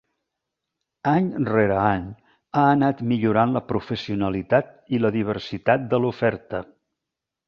Any rere any ha anat millorant la professionalitat i la diversitat de l'oferta.